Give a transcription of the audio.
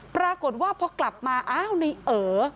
ปรากฏว่าพอกลับมาอ้าวในเอ๋อ